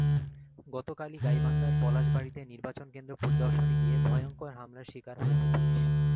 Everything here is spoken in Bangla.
গতকালই গাইবান্ধার পলাশবাড়ীতে নির্বাচন কেন্দ্র পরিদর্শনে গিয়ে ভয়ঙ্কর হামলার শিকার হয়েছে পুলিশ।